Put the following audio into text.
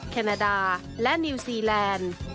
แคนาดาและนิวซีแลนด์